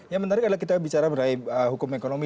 yang menarik adalah kita bicara berai hukum ekonomi